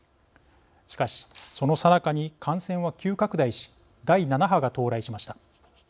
しかしそのさなかに感染は急拡大し第７波が到来しました。